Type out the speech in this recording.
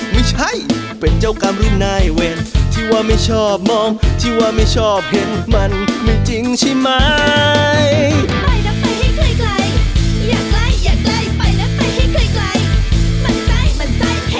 มั่นใจมั่นใจเห็นหน้าเราอารมณ์เสียตอนเคลียร์ทุกวัน